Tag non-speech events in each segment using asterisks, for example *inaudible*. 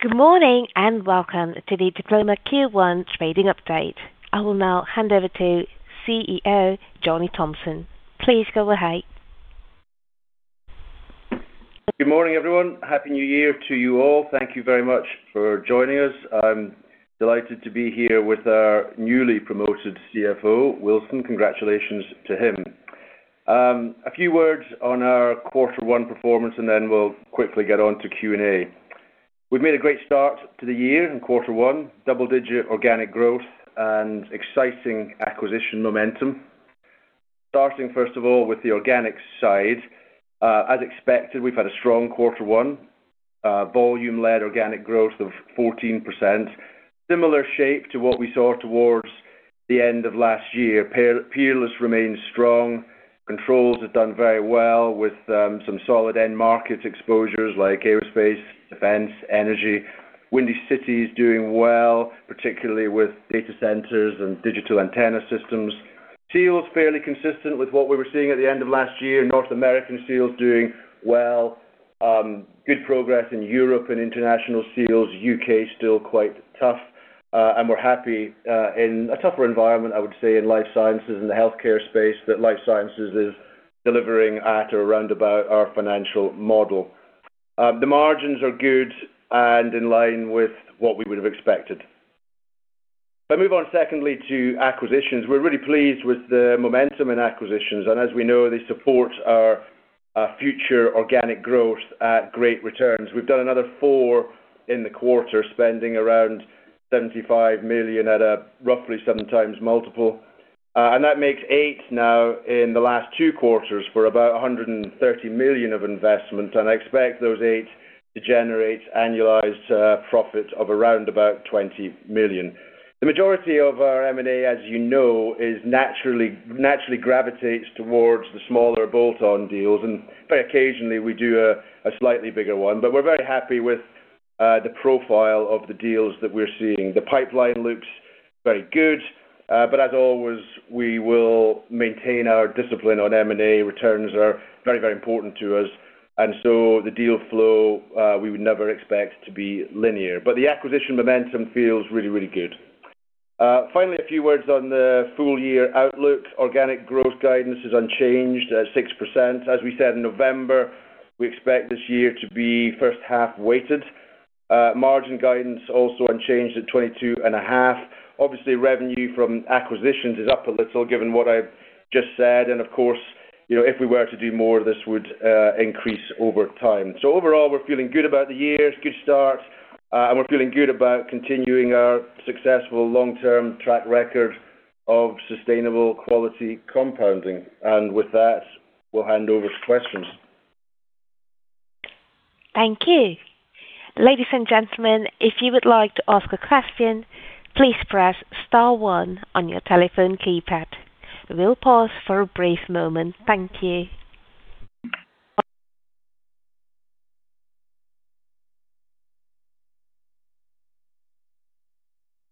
Good morning and welcome to the Diploma Q1 Trading Update. I will now hand over to CEO Johnny Thomson. Please go ahead. Good morning, everyone. Happy New Year to you all. Thank you very much for joining us. I'm delighted to be here with our newly promoted CFO, Wilson. Congratulations to him. A few words on our quarter one performance, and then we'll quickly get on to Q&A. We've made a great start to the year in quarter one: double-digit organic growth and exciting acquisition momentum. Starting, first of all, with the organic side. As expected, we've had a strong quarter one: volume-led organic growth of 14%. Similar shape to what we saw towards the end of last year. Peerless remains strong. Controls have done very well with some solid end-market exposures like aerospace, defense, and energy. Windy City is doing well, particularly with data centers and digital antenna systems. Seals fairly consistent with what we were seeing at the end of last year. North American Seals doing well. Good progress in Europe and International Seals. U.K. still quite tough, and we're happy in a tougher environment, I would say, in Life Sciences and the healthcare space that Life Sciences is delivering at or around about our financial model. The margins are good and in line with what we would have expected. I move on, secondly, to acquisitions. We're really pleased with the momentum in acquisitions, and as we know, they support our future organic growth at great returns. We've done another four in the quarter, spending around 75 million at a roughly 7x multiple, and that makes eight now in the last two quarters for about 130 million of investment, and I expect those eight to generate annualized profit of around about 20 million. The majority of our M&A, as you know, naturally gravitates towards the smaller bolt-on deals. And very occasionally, we do a slightly bigger one. But we're very happy with the profile of the deals that we're seeing. The pipeline looks very good. But as always, we will maintain our discipline on M&A. Returns are very, very important to us. And so the deal flow, we would never expect to be linear. But the acquisition momentum feels really, really good. Finally, a few words on the full-year outlook. Organic growth guidance is unchanged at 6%. As we said in November, we expect this year to be first-half weighted. Margin guidance also unchanged at 22.5%. Obviously, revenue from acquisitions is up a little given what I've just said. And of course, if we were to do more, this would increase over time. So overall, we're feeling good about the year. It's a good start. And we're feeling good about continuing our successful long-term track record of sustainable quality compounding. And with that, we'll hand over to questions. Thank you. Ladies and gentlemen, if you would like to ask a question, please press star one on your telephone keypad. We'll pause for a brief moment. Thank you.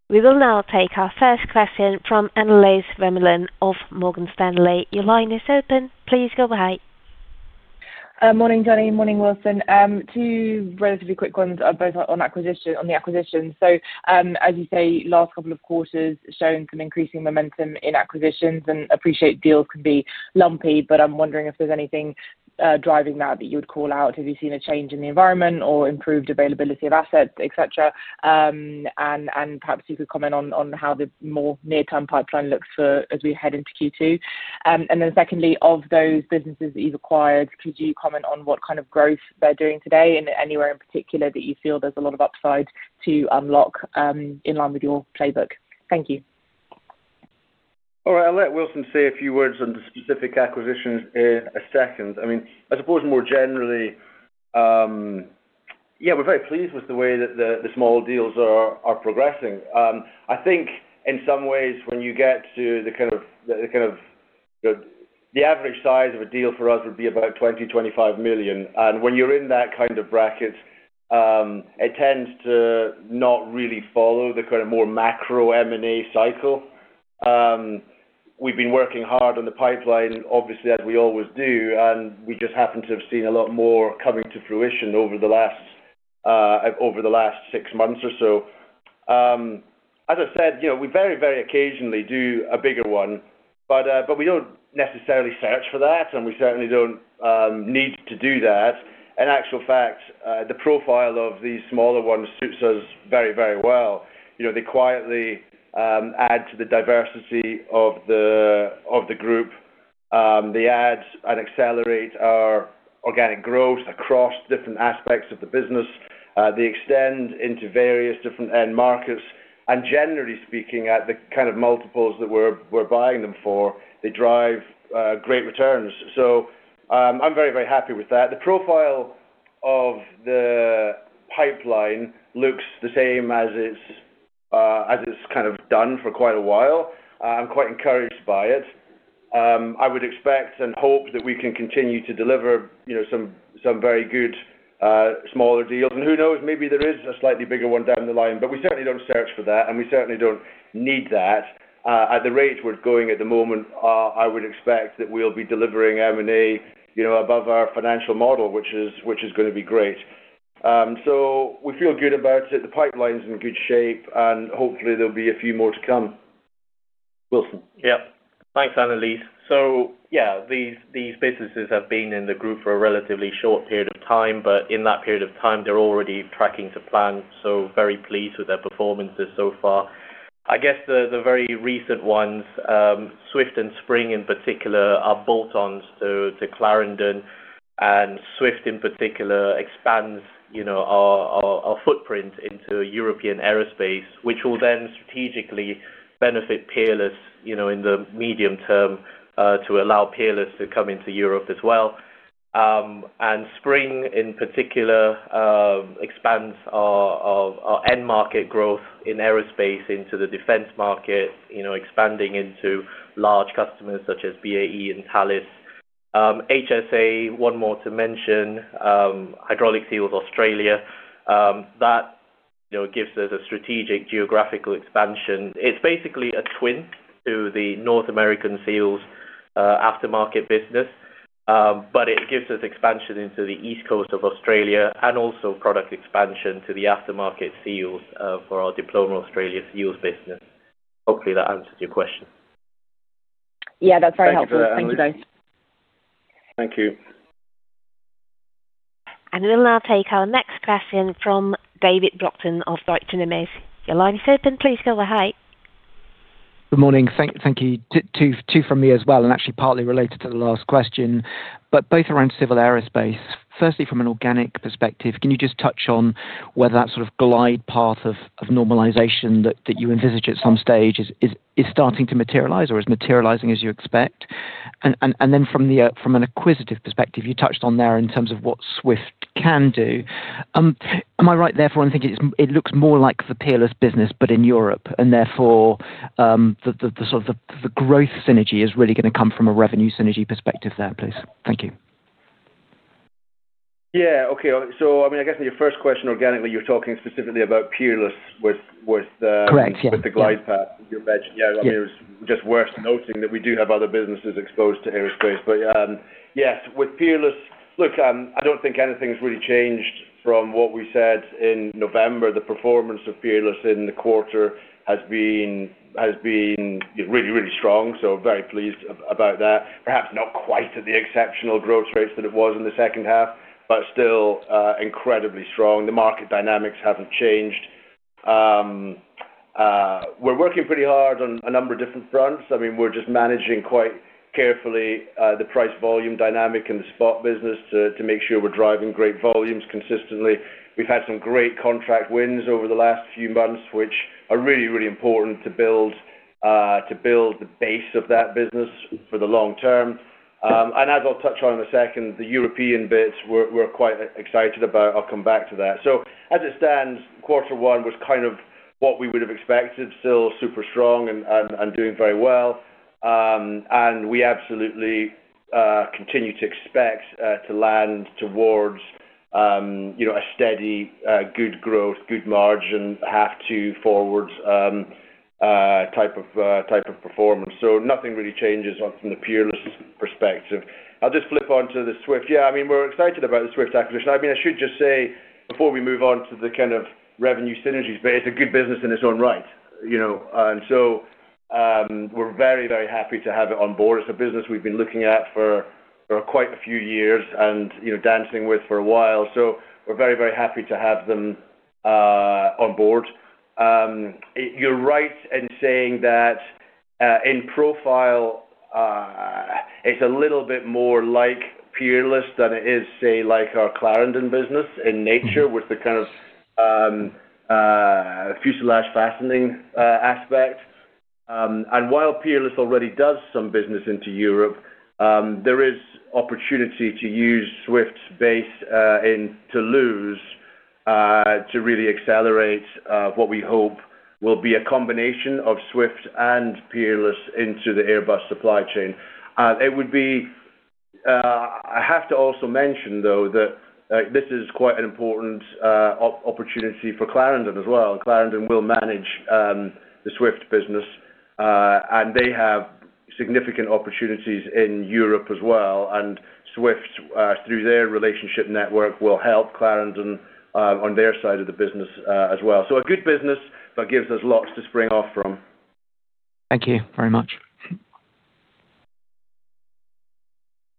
We will now take our first question from Annelies Vermeulen of Morgan Stanley. Your line is open. Please go ahead. Morning, Johnny. Morning, Wilson. Two relatively quick ones are both on the acquisitions. So as you say, last couple of quarters showing some increasing momentum in acquisitions. And I appreciate deals can be lumpy, but I'm wondering if there's anything driving that that you would call out. Have you seen a change in the environment or improved availability of assets, etc.? And perhaps you could comment on how the more near-term pipeline looks as we head into Q2. And then secondly, of those businesses that you've acquired, could you comment on what kind of growth they're doing today? And anywhere in particular that you feel there's a lot of upside to unlock in line with your playbook? Thank you. All right. I'll let Wilson say a few words on the specific acquisitions in a second. I mean, I suppose more generally, yeah, we're very pleased with the way that the small deals are progressing. I think in some ways, when you get to the kind of the average size of a deal for us would be about 20 million-25 million. And when you're in that kind of bracket, it tends to not really follow the kind of more macro M&A cycle. We've been working hard on the pipeline, obviously, as we always do. And we just happen to have seen a lot more coming to fruition over the last six months or so. As I said, we very, very occasionally do a bigger one. But we don't necessarily search for that. And we certainly don't need to do that. In actual fact, the profile of these smaller ones suits us very, very well. They quietly add to the diversity of the group. They add and accelerate our organic growth across different aspects of the business. They extend into various different end markets. And generally speaking, at the kind of multiples that we're buying them for, they drive great returns. So I'm very, very happy with that. The profile of the pipeline looks the same as it's kind of done for quite a while. I'm quite encouraged by it. I would expect and hope that we can continue to deliver some very good smaller deals. And who knows, maybe there is a slightly bigger one down the line. But we certainly don't search for that. And we certainly don't need that. At the rate we're going at the moment, I would expect that we'll be delivering M&A above our financial model, which is going to be great. So we feel good about it. The pipeline's in good shape. And hopefully, there'll be a few more to come. Wilson. Yeah. Thanks, Annelies. So yeah, these businesses have been in the group for a relatively short period of time, but in that period of time, they're already tracking to plan, so very pleased with their performances so far. I guess the very recent ones, Swift and Spring in particular, are bolt-ons to Clarendon. Swift in particular expands our footprint into European aerospace, which will then strategically benefit Peerless in the medium term to allow Peerless to come into Europe as well. Spring in particular expands our end-market growth in aerospace into the defense market, expanding into large customers such as BAE and Thales. HSA, one more to mention, Hydraulic Seals Australia, gives us a strategic geographical expansion. It's basically a twist to the North American Seals aftermarket business. But it gives us expansion into the East Coast of Australia and also product expansion to the aftermarket seals for our Diploma Australia seals business. Hopefully, that answers your question. Yeah, that's very helpful. Thank you both. Thank you. And we'll now take our next question from [David Glockton] of. *audio distortion* Your line is open. Please go ahead. Good morning. Thank you. Two from me as well, and actually partly related to the last question, but both around civil aerospace. Firstly, from an organic perspective, can you just touch on whether that sort of glide path of normalization that you envisage at some stage is starting to materialize or is materializing as you expect? And then from an acquisitive perspective, you touched on there in terms of what Swift can do. Am I right there for one thing? It looks more like the Peerless business, but in Europe. And therefore, the sort of growth synergy is really going to come from a revenue synergy perspective there, please. Thank you. Yeah. Okay. So I mean, I guess in your first question, organically, you're talking specifically about Peerless with the glide path. Correct. Yeah. You mentioned, yeah, I mean, it was just worth noting that we do have other businesses exposed to aerospace. But yes, with Peerless, look, I don't think anything's really changed from what we said in November. The performance of Peerless in the quarter has been really, really strong. So very pleased about that. Perhaps not quite at the exceptional growth rates that it was in the second half, but still incredibly strong. The market dynamics haven't changed. We're working pretty hard on a number of different fronts. I mean, we're just managing quite carefully the price volume dynamic in the spot business to make sure we're driving great volumes consistently. We've had some great contract wins over the last few months, which are really, really important to build the base of that business for the long term. As I'll touch on in a second, the European bits, we're quite excited about. I'll come back to that. So as it stands, quarter one was kind of what we would have expected. Still super strong and doing very well. And we absolutely continue to expect to land towards a steady, good growth, good margin, half to forwards type of performance. So nothing really changes from the Peerless perspective. I'll just flip onto the Swift. Yeah, I mean, we're excited about the Swift acquisition. I mean, I should just say before we move on to the kind of revenue synergies, but it's a good business in its own right. And so we're very, very happy to have it on board. It's a business we've been looking at for quite a few years and dancing with for a while. So we're very, very happy to have them on board. You're right in saying that in profile, it's a little bit more like Peerless than it is, say, like our Clarendon business in nature with the kind of fuselage fastening aspect, and while Peerless already does some business into Europe, there is opportunity to use Swift's base in Toulouse to really accelerate what we hope will be a combination of Swift and Peerless into the Airbus supply chain. I have to also mention, though, that this is quite an important opportunity for Clarendon as well. Clarendon will manage the Swift business, and they have significant opportunities in Europe as well, and Swift, through their relationship network, will help Clarendon on their side of the business as well, so a good business that gives us lots to spring off from. Thank you very much.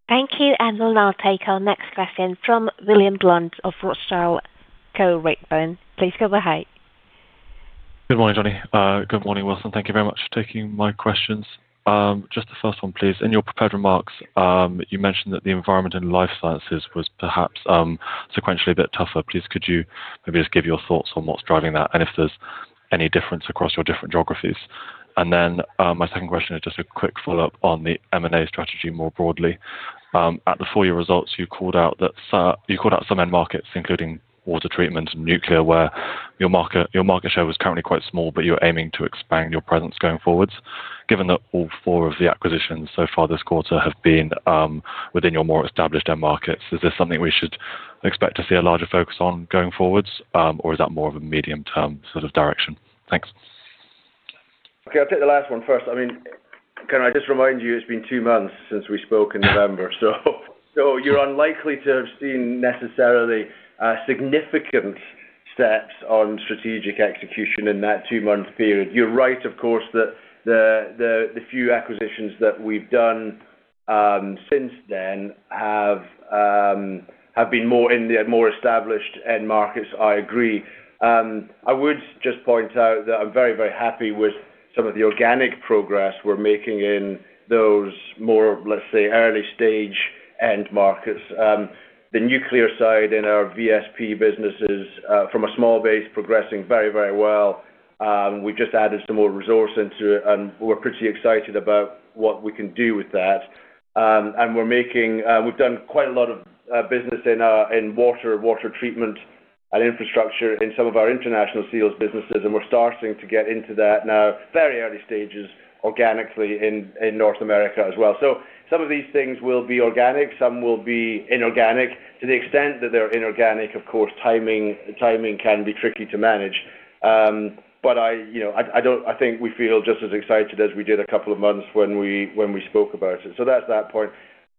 Thank you. And we'll now take our next question from William Blunt of Rothschild & Co Redburn. Please go ahead. Good morning, Johnny. Good morning, Wilson. Thank you very much for taking my questions. Just the first one, please. In your prepared remarks, you mentioned that the environment in Life Sciences was perhaps sequentially a bit tougher. Please, could you maybe just give your thoughts on what's driving that and if there's any difference across your different geographies? My second question is just a quick follow-up on the M&A strategy more broadly. At the full-year results, you called out that some end markets, including water treatment and nuclear, where your market share was currently quite small, but you're aiming to expand your presence going forwards. Given that all four of the acquisitions so far this quarter have been within your more established end markets, is this something we should expect to see a larger focus on going forwards? Or is that more of a medium-term sort of direction? Thanks. Okay. I'll take the last one first. I mean, can I just remind you it's been two months since we spoke in November? So you're unlikely to have seen necessarily significant steps on strategic execution in that two-month period. You're right, of course, that the few acquisitions that we've done since then have been more in the more established end markets. I agree. I would just point out that I'm very, very happy with some of the organic progress we're making in those more, let's say, early-stage end markets. The nuclear side in our VSP businesses from a small base progressing very, very well. We just added some more resource into it, and we're pretty excited about what we can do with that, and we've done quite a lot of business in water treatment and infrastructure in some of our International Seals businesses. We're starting to get into that now, very early stages, organically in North America as well, so some of these things will be organic. Some will be inorganic. To the extent that they're inorganic, of course, timing can be tricky to manage, but I think we feel just as excited as we did a couple of months when we spoke about it, so that's that point.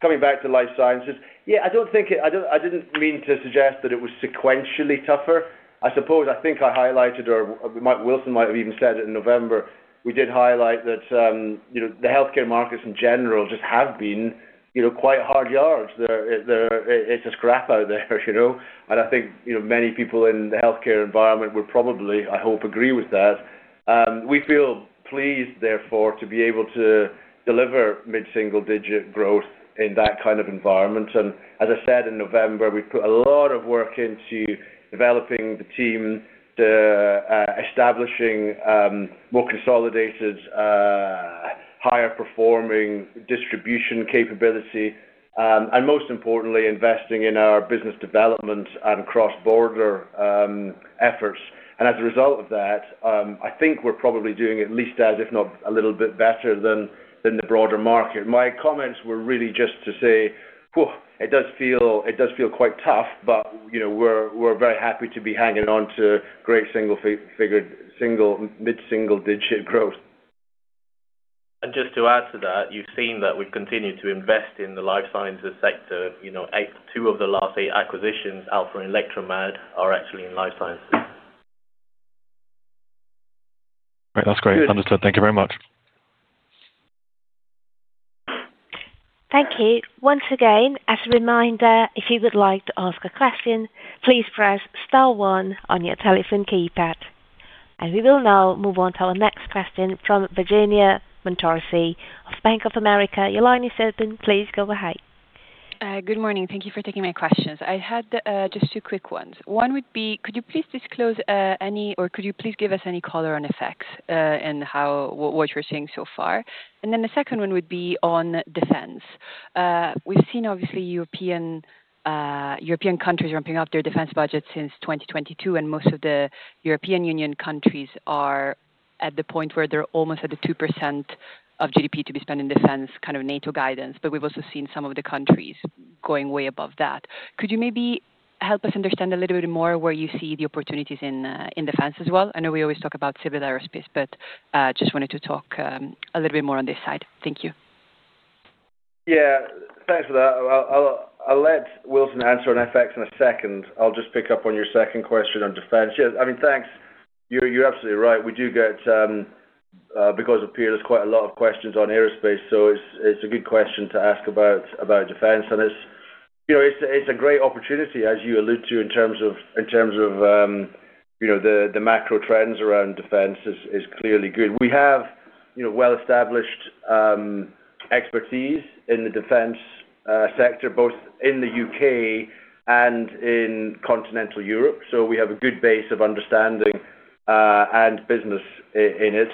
Coming back to Life Sciences, yeah, I don't think I didn't mean to suggest that it was sequentially tougher. I suppose I think I highlighted or Wilson might have even said it in November. We did highlight that the healthcare markets in general just have been quite hard yards. It's a scrap out there, and I think many people in the healthcare environment would probably, I hope, agree with that. We feel pleased, therefore, to be able to deliver mid-single-digit growth in that kind of environment, and as I said in November, we put a lot of work into developing the team, establishing more consolidated, higher-performing distribution capability, and most importantly, investing in our business development and cross-border efforts, and as a result of that, I think we're probably doing at least as, if not a little bit better than the broader market. My comments were really just to say, "Whoa, it does feel quite tough," but we're very happy to be hanging on to great single-mid-single-digit growth. And just to add to that, you've seen that we've continued to invest in the Life Sciences sector. Two of the last eight acquisitions, Alpha and Electramed, are actually in Life Sciences. All right. That's great. Understood. Thank you very much. Thank you. Once again, as a reminder, if you would like to ask a question, please press star one on your telephone keypad. We will now move on to our next question from Virginia Montorsi, of Bank of America. Your line is open. Please go ahead. Good morning. Thank you for taking my questions. I had just two quick ones. One would be, could you please disclose any or could you please give us any color on FX effects and what you're seeing so far? And then the second one would be on defense. We've seen, obviously, European countries ramping up their defense budgets since 2022. And most of the European Union countries are at the point where they're almost at the 2% of GDP to be spent in defense, kind of NATO guidance. But we've also seen some of the countries going way above that. Could you maybe help us understand a little bit more where you see the opportunities in defense as well? I know we always talk about civil aerospace, but just wanted to talk a little bit more on this side. Thank you. Yeah. Thanks for that. I'll let Wilson answer on effects in a second. I'll just pick up on your second question on defense. Yeah. I mean, thanks. You're absolutely right. We do get, because of Peerless, quite a lot of questions on aerospace. So it's a good question to ask about defense. And it's a great opportunity, as you alluded to, in terms of the macro trends around defense is clearly good. We have well-established expertise in the defense sector, both in the U.K. and in continental Europe. So we have a good base of understanding and business in it.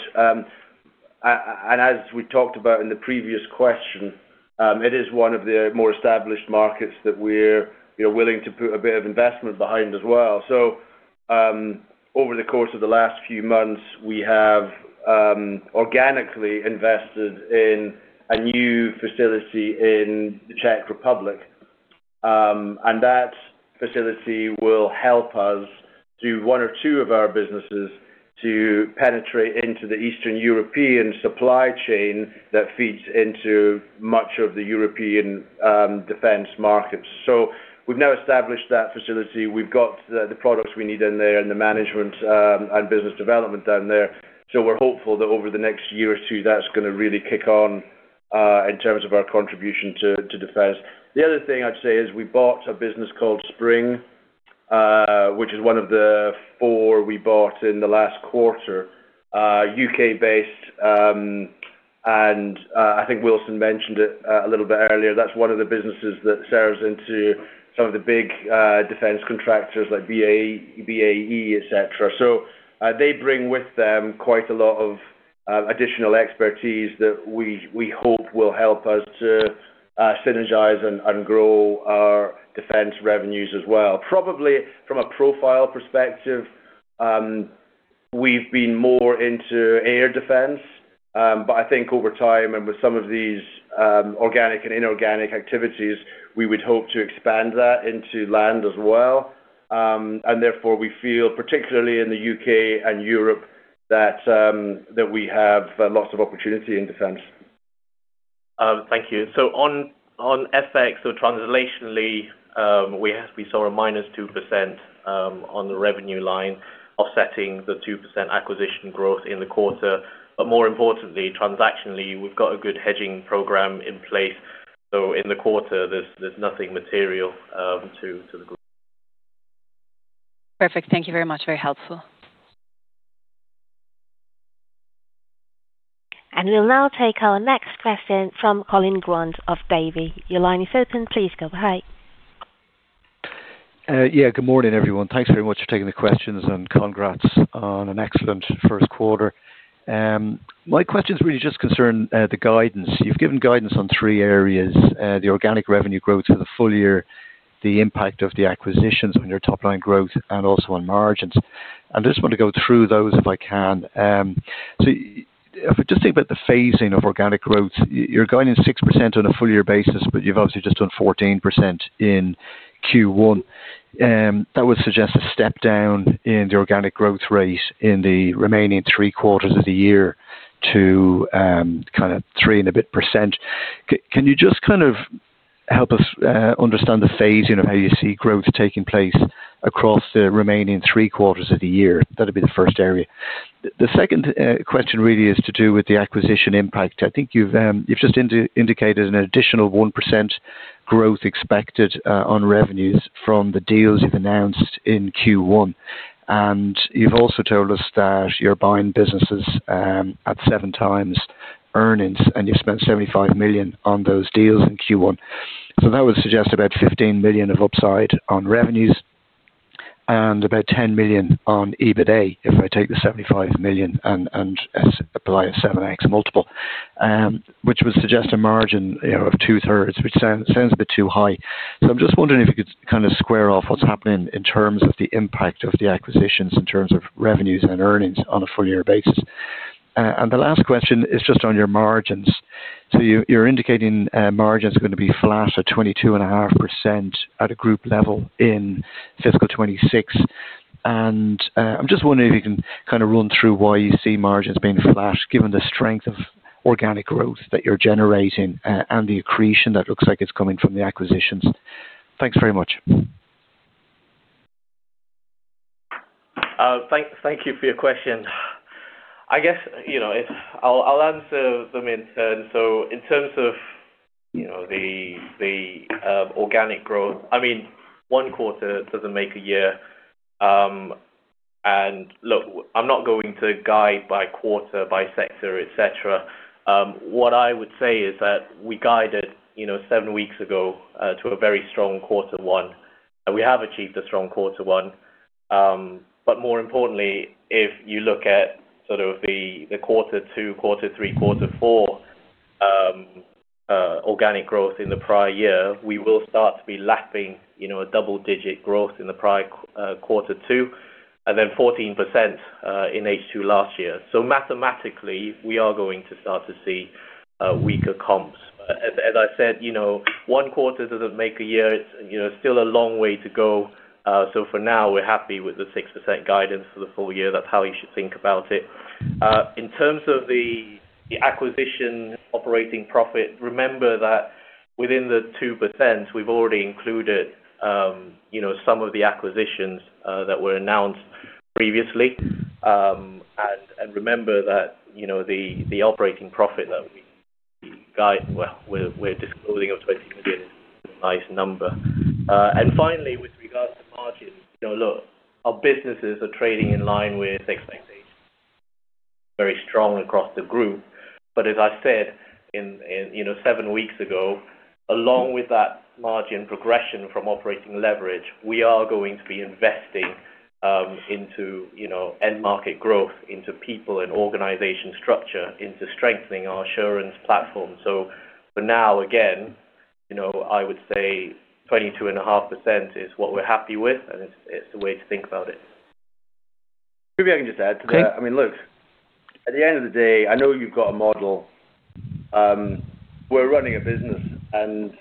And as we talked about in the previous question, it is one of the more established markets that we're willing to put a bit of investment behind as well. So over the course of the last few months, we have organically invested in a new facility in the Czech Republic. And that facility will help us do one or two of our businesses to penetrate into the Eastern European supply chain that feeds into much of the European defense markets. So we've now established that facility. We've got the products we need in there and the management and business development down there. So we're hopeful that over the next year or two, that's going to really kick on in terms of our contribution to defense. The other thing I'd say is we bought a business called Spring, which is one of the four we bought in the last quarter, U.K.-based. And I think Wilson mentioned it a little bit earlier. That's one of the businesses that serves into some of the big defense contractors like BAE, etc. So they bring with them quite a lot of additional expertise that we hope will help us to synergize and grow our defense revenues as well. Probably from a profile perspective, we've been more into air defense. But I think over time and with some of these organic and inorganic activities, we would hope to expand that into land as well. And therefore, we feel, particularly in the U.K. and Europe, that we have lots of opportunity in defense. Thank you. So on effects, so translationally, we saw a -2% on the revenue line offsetting the 2% acquisition growth in the quarter. But more importantly, transactionally, we've got a good hedging program in place. So in the quarter, there's nothing material to the group. Perfect. Thank you very much. Very helpful. We'll now take our next question from Colin Grant of Davy. Your line is open. Please go ahead. Yeah. Good morning, everyone. Thanks very much for taking the questions and congrats on an excellent first quarter. My question's really just concerned the guidance. You've given guidance on three areas: the organic revenue growth for the full year, the impact of the acquisitions on your top-line growth, and also on margins. And I just want to go through those if I can. So if we just think about the phasing of organic growth, you're going in 6% on a full-year basis, but you've obviously just done 14% in Q1. That would suggest a step down in the organic growth rate in the remaining three quarters of the year to kind of three and a bit percent. Can you just kind of help us understand the phasing of how you see growth taking place across the remaining three quarters of the year? That'd be the first area. The second question really is to do with the acquisition impact. I think you've just indicated an additional 1% growth expected on revenues from the deals you've announced in Q1. And you've also told us that you're buying businesses at 7x earnings, and you've spent 75 million on those deals in Q1. So that would suggest about 15 million of upside on revenues and about 10 million on EBITDA if I take the 75 million and apply a 7x multiple, which would suggest a margin of 2/3, which sounds a bit too high. So I'm just wondering if you could kind of square off what's happening in terms of the impact of the acquisitions in terms of revenues and earnings on a full-year basis. And the last question is just on your margins. So you're indicating margins are going to be flat at 22.5% at a group level in fiscal 2026. And I'm just wondering if you can kind of run through why you see margins being flat, given the strength of organic growth that you're generating and the accretion that looks like it's coming from the acquisitions? Thanks very much. Thank you for your question. I guess I'll answer them in turn. So in terms of the organic growth, I mean, one quarter doesn't make a year. And look, I'm not going to guide by quarter, by sector, etc. What I would say is that we guided seven weeks ago to a very strong quarter one. And we have achieved a strong quarter one. But more importantly, if you look at sort of the quarter two, quarter three, quarter four organic growth in the prior year, we will start to be lapping a double-digit growth in the prior quarter two and then 14% in H2 last year. So mathematically, we are going to start to see weaker comps. As I said, one quarter doesn't make a year. It's still a long way to go. So for now, we're happy with the 6% guidance for the full year. That's how you should think about it. In terms of the acquisition operating profit, remember that within the 2%, we've already included some of the acquisitions that were announced previously. And remember that the operating profit that we're disclosing of 20 million is a nice number. And finally, with regards to margins, look, our businesses are trading in line with expectations. Very strong across the group. But as I said seven weeks ago, along with that margin progression from operating leverage, we are going to be investing into end-market growth, into people and organization structure, into strengthening our assurance platform. So for now, again, I would say 22.5% is what we're happy with. And it's the way to think about it. Maybe I can just add to that. I mean, look, at the end of the day, I know you've got a model. We're running a business, and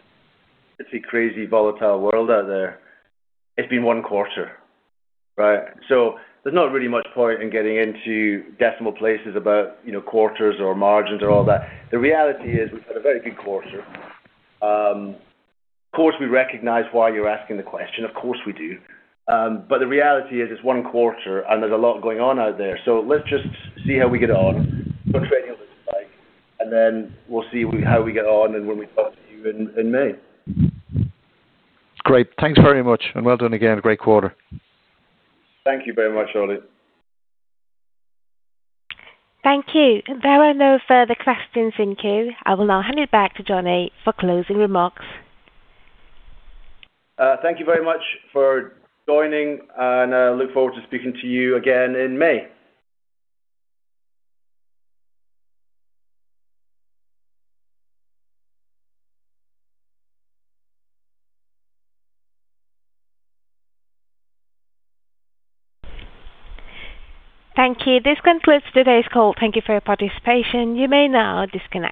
it's a crazy, volatile world out there. It's been one quarter, right? So there's not really much point in getting into decimal places about quarters or margins or all that. The reality is we've had a very good quarter. Of course, we recognize why you're asking the question. Of course, we do, but the reality is it's one quarter, and there's a lot going on out there, so let's just see how we get on, what trading looks like, and then we'll see how we get on and when we talk to you in May. Great. Thanks very much. And well done again. Great quarter. Thank you very much, Colin. Thank you. There are no further questions in queue. I will now hand it back to Johnny for closing remarks. Thank you very much for joining, and I look forward to speaking to you again in May. Thank you. This concludes today's call. Thank you for your participation. You may now disconnect.